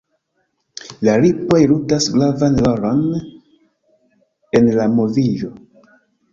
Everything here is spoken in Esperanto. La ripoj ludas gravan rolon en la moviĝo.